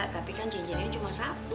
tapi kan cincin ini cuma satu